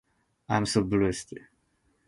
I am so blessed.